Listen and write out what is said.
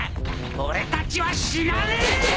俺たちは死なねえ！